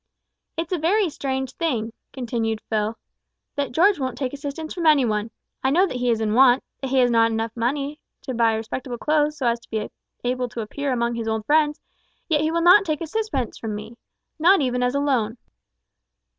"It's a very strange thing," continued Phil, "that George won't take assistance from any one. I know that he is in want that he has not money enough to buy respectable clothes so as to be able to appear among his old friends, yet he will not take a sixpence from me not even as a loan."